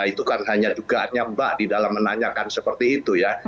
itu kan hanya dugaannya mbak di dalam menanyakan seperti itu ya